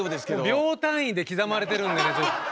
秒単位で刻まれてるんでねちょっと。